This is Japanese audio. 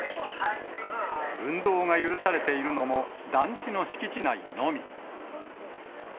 運動が許されているのも、団地の敷地内のみ。